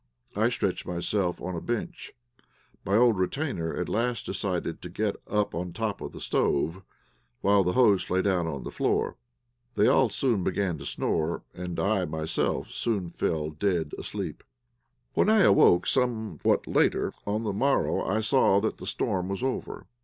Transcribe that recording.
I stretched myself on a bench. My old retainer at last decided to get up on the top of the stove, while the host lay down on the floor. They all soon began to snore, and I myself soon fell dead asleep. When I awoke, somewhat late, on the morrow I saw that the storm was over.